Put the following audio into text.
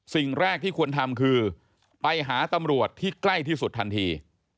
สิ่งแรกที่ควรทำคือไปหาตำรวจที่ใกล้ที่สุดทันที